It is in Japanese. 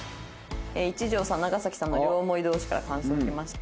一条さん長さんの両思い同士から感想来ました。